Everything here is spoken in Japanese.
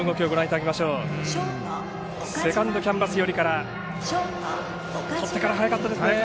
セカンドキャンバス寄りからとってから速かったですね。